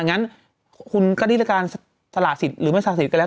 งั้นคุณก็ได้การสละสิทธิ์หรือไม่สละสิทธิ์แล้ว